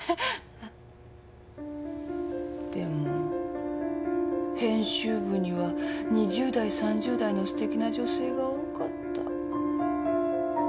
でも編集部には２０代３０代のすてきな女性が多かった。